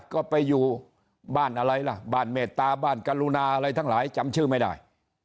ก็ไปอยู่บ้านอะไรล่ะบ้านเมตตาบ้านกรุณาอะไรทั้งหลายจำชื่อไม่ได้